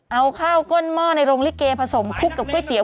เอาข้าวก้นหม้อในโรงลิเกผสมคลุกกับก๋วยเตี๋